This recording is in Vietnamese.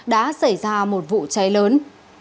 đã xảy ra một vụ cháy lớn